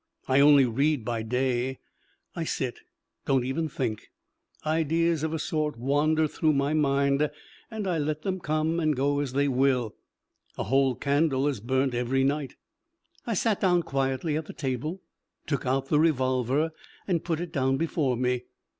I only read by day. I sit don't even think; ideas of a sort wander through my mind and I let them come and go as they will. A whole candle is burnt every night. I sat down quietly at the table, took out the revolver and put it down before me.